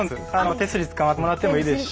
手すりつかまってもらってもいいですし。